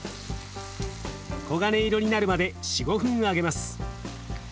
黄金色になるまで４５分揚げます。